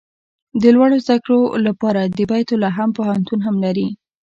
د لوړو زده کړو لپاره د بیت لحم پوهنتون هم لري.